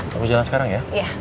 kamu jalan sekarang ya